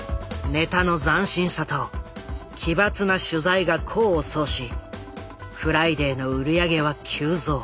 ネタの斬新さと奇抜な取材が功を奏し「フライデー」の売り上げは急増。